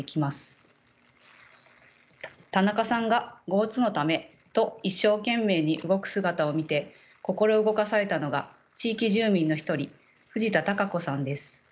田中さんが江津のためと一生懸命に動く姿を見て心動かされたのが地域住民の一人藤田貴子さんです。